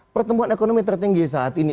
pertumbuhan ekonomi tertinggi saat ini